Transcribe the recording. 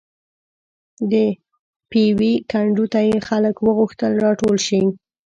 د پېوې کنډو ته یې خلک وغوښتل راټول شي.